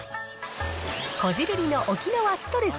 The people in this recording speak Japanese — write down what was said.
こじるりの沖縄ストレス